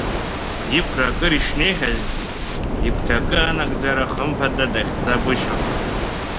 Иқәра акыр ишнеихьазгьы, игәҭакы анагӡара хымԥада дахьӡа-гәышьон.